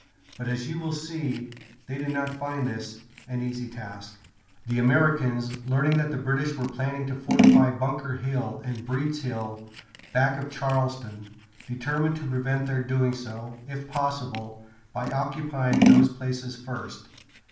But, as you will see, they did not find this an easy task. The Americans, learning that the British were planning to fortify Bunker Hill and Breeds Hill, back of Charlestown, determined to prevent their doing so, if possible, by occupying those places first.